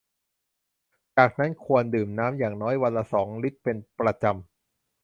จากนั้นควรดื่มน้ำอย่างน้อยวันละ สอง ลิตรเป็นประจำ